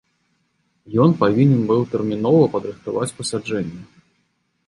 Ён павінен быў тэрмінова падрыхтаваць пасяджэнне.